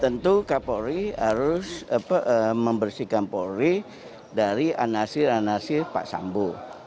tentu kapolri harus membersihkan polri dari anasir anasir pak sambo